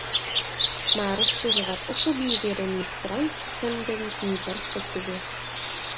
Má rozšiřovat osobní vědomí v transcendentní perspektivě.